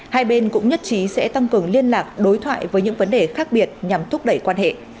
hai bên cũng nhất trí sẽ tăng cường liên lạc đối thoại với những vấn đề khác biệt nhằm thúc đẩy quan hệ